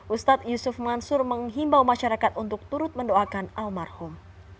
ustadz yusuf mansur menghimbau masyarakat untuk turut mendoakan almarhum